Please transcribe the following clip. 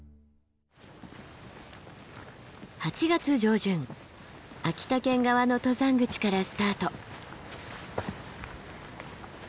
８月上旬秋田県側の登山口からスタート。